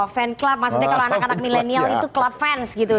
fan club maksudnya kalau anak anak milenial itu club fans gitu